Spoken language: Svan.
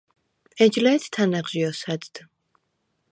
ეჯ ლე̄თ თანა̈ღჟი ოსა̈დდ.